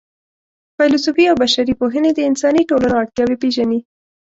فېلسوفي او بشري پوهنې د انساني ټولنو اړتیاوې پېژني.